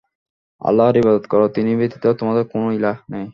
আল্লাহর ইবাদত কর, তিনি ব্যতীত তোমাদের কোন ইলাহ নেই।